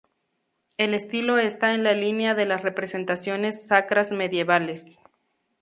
El estilo está en la línea de las representaciones sacras medievales.